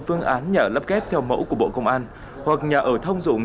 phương án nhà lắp ghép theo mẫu của bộ công an hoặc nhà ở thông dụng